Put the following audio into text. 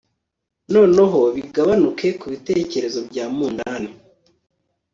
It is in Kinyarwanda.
noneho bigabanuke kubitekerezo bya mundane